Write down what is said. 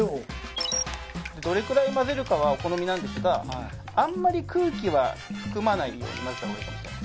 どれくらい混ぜるかはお好みなんですがあんまり空気は含まないように混ぜたほうがいいかも。